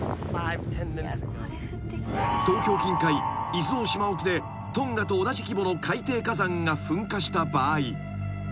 ［東京近海伊豆大島沖でトンガと同じ規模の海底火山が噴火した場合］